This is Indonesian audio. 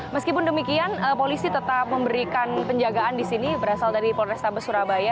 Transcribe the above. meskipun demikian polisi tetap memberikan penjagaan di sini berasal dari polrestabes surabaya